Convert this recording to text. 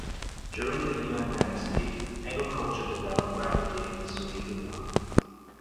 During the Yuan Dynasty, agriculture developed rapidly in Suihua.